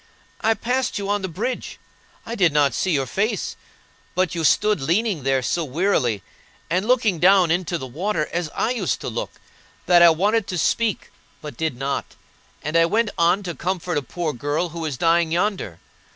"I passed you on the bridge. I did not see your face, but you stood leaning there so wearily, and looking down into the water, as I used to look, that I wanted to speak, but did not; and I went on to comfort a poor girl who is dying yonder.